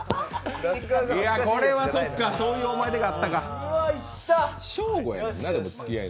これはそっか、そういう思い出があったか。